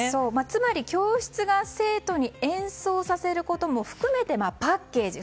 つまり教室が生徒に演奏させることも含めてパッケージ